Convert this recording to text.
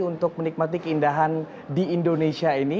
untuk menikmati keindahan di indonesia ini